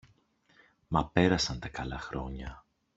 Μα πέρασαν τα καλά χρόνια